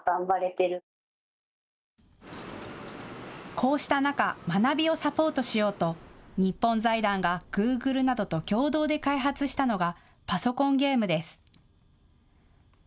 こうした中、学びをサポートしようと日本財団がグーグルなどと共同で開発したのがパソコンゲームです。